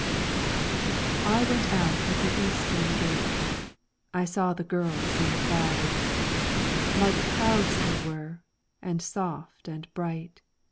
I WENT out at the Eastern Gate, I saw the girls in clouds, Like clouds they were, and soft and bright.